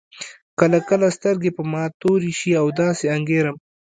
کله کله سترګې په ما تورې شي او داسې انګېرم.